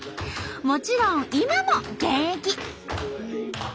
もちろん今も現役！ＯＫ！